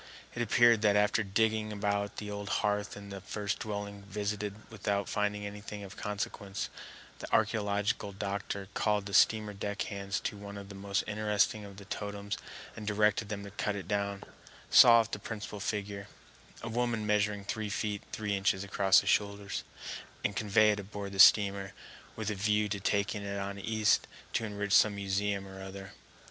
It appeared that after digging about the old hearth in the first dwelling visited without finding anything of consequence, the archæological doctor called the steamer deck hands to one of the most interesting of the totems and directed them to cut it down, saw off the principal figure,—a woman measuring three feet three inches across the shoulders,—and convey it aboard the steamer, with a view to taking it on East to enrich some museum or other.